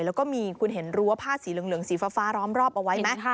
แล้วก็มีคุณเห็นรั้วผ้าสีเหลืองสีฟ้าร้อมรอบเอาไว้ไหม